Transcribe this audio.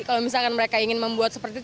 kalau misalkan mereka ingin membuat seperti itu